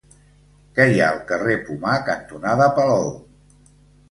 Què hi ha al carrer Pomar cantonada Palou?